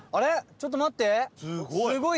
ちょっと待って。